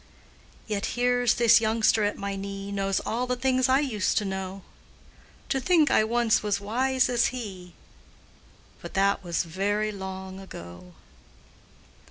Yet here's this youngster at my knee Knows all the things I used to know; To think I once was wise as he But that was very long ago.